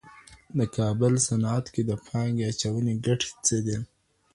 د کابل صنعت کي د پانګې اچونې ګټې څه دي؟